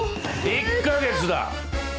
１カ月だ。